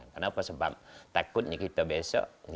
kenapa sebab takutnya kita besok